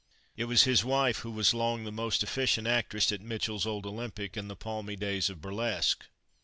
It was his wife who was long the most efficient actress at Mitchell's old Olympic in the palmy days of burlesque.